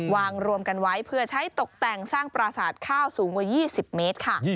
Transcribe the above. รวมกันไว้เพื่อใช้ตกแต่งสร้างปราสาทข้าวสูงกว่า๒๐เมตรค่ะ